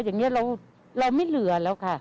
อย่างนี้เราไม่เหลือแล้วค่ะ